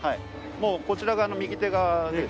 もうこちら側の右手側ですね。